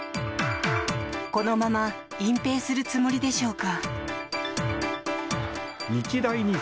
このまま隠ぺいするつもりでしょうか。